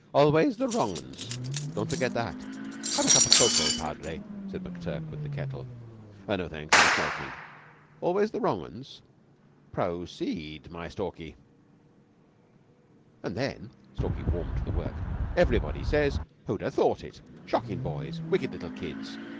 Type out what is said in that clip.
"Always the wrong un's; don't forget that. Have a cup of cocoa, Padre?" said McTurk with the kettle. "No, thanks; I'm smoking. Always the wrong 'uns? Pro ceed, my Stalky." "And then" Stalky warmed to the work "everybody says, 'Who'd ha' thought it? Shockin' boys! Wicked little kids!